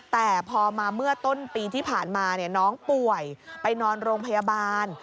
แต่พอมาเมื่อต้นปีที่ผ่านมาน้องป่วยไปนอนโรงพยาบาล